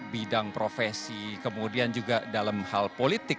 bidang profesi kemudian juga dalam hal politik